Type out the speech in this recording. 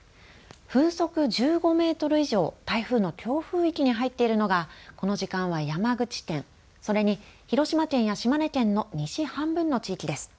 風速１５メートル以上台風の強風域に入っているのがこの時間は山口県、それに広島県や島根県の西半分の地域です。